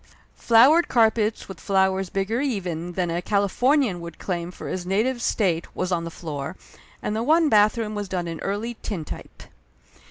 Flowered carpets with flowers bigger even than a Calif ornian could claim for his native state was on the floor, and the one bathroom was done in Early Tintype.